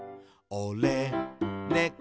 「おれ、ねこ」